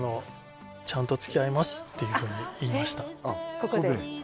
ここで？